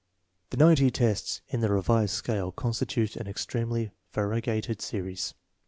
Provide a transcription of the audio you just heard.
The ninety teats in the revised scale constitute an extremely variegated series.